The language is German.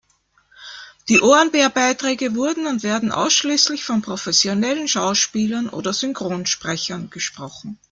Die Ohrenbär-Beiträge wurden und werden ausschließlich von professionellen Schauspielern oder Synchronsprechern gesprochen.